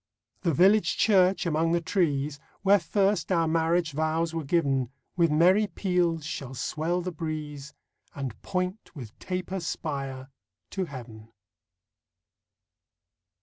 The village church among the trees, Where first our marriage vows were given, With merry peals shall swell the breeze And point with taper spire to Heaven.